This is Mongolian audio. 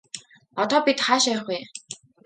Одоо бид хаашаа явах вэ?